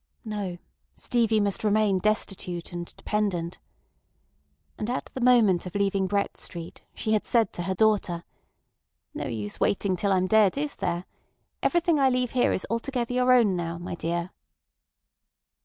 No, Stevie must remain destitute and dependent. And at the moment of leaving Brett Street she had said to her daughter: "No use waiting till I am dead, is there? Everything I leave here is altogether your own now, my dear."